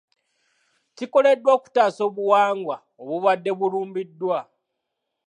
Kikoleddwa okutaasa obuwangwa obubadde bulumbiddwa.